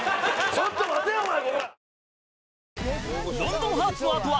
ちょっと待てよお前コラ！